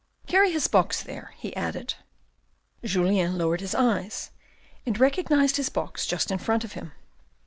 " Carry his box there," he added. Julien lowered his eyes, and recognised his box just in front of him.